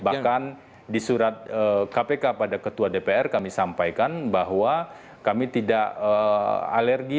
bahkan di surat kpk pada ketua dpr kami sampaikan bahwa kami tidak alergi